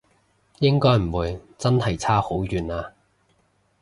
應該唔會真係差好遠啊？